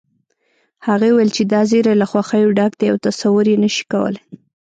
هغې وويل چې دا زيری له خوښيو ډک دی او تصور يې نشې کولی